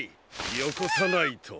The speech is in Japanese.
よこさないと。